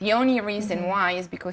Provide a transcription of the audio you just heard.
hanya sudah diangkat